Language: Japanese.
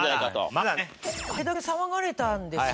あれだけ騒がれたんですよ？